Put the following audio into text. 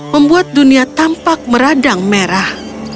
membuat dunia tampak meradang merah